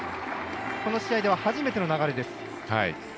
この試合では、初めての流れです。